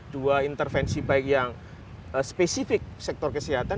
dua intervensi baik yang spesifik sektor kesehatan